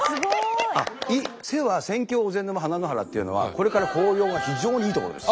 「せ」は「仙境尾瀬沼花の原」っていうのはこれから紅葉が非常にいい所です。